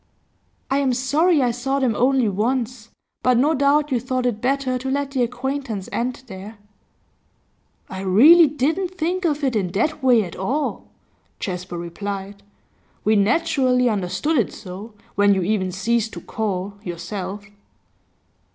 'I am sorry I saw them only once, but no doubt you thought it better to let the acquaintance end there.' 'I really didn't think of it in that way at all,' Jasper replied. 'We naturally understood it so, when you even ceased to call, yourself.